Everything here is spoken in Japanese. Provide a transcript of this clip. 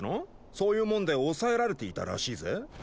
そういうもんで抑えられていたらしいぜ。